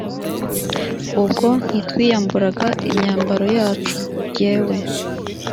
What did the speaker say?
ubwo ntitwiyamburaga imyambaro yacu jyewe